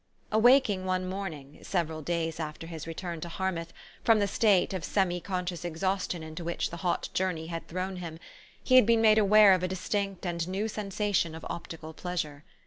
Awaking one morning, several da} T s after his re turn to Harmouth, from the state of semi conscious exhaustion into which the hot journey had thrown him, he had been made aware of a distinct and new sensation of optical pleasure.